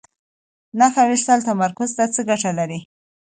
نښه ویشتل تمرکز ته څه ګټه لري؟